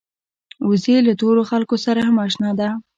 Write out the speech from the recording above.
وزې له تورو خلکو سره هم اشنا ده